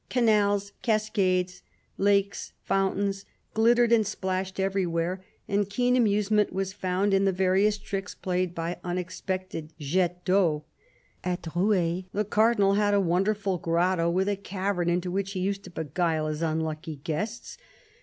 Canals, cascades, lakes, fountains glittered and splashed everywhere ; and keen amusement was found in the various tricks played by unexpected jets (Teau. At Rueil the Cardinal had a wonderful grotto with a cavern into which he used to beguile his unlucky guests.